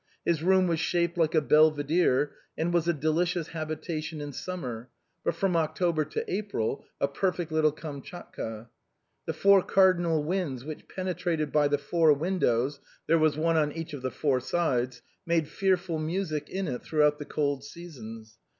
His room was shaped like a belvidcre, and was a delicious habitation in summer, but from October to April a perfect little 106 THE BOHEMIANS OF THE LATIN QUARTER. Kamschatka. The four cardinal winds which penetrated by the four windows^ — ^thcre was one on each of tlie four sides — made fearful music in it throughout the cold sea sons.